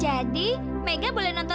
jadi mega tidurnya di sofa aja ya